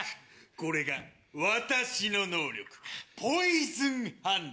これが私の能力ポイズンハンド。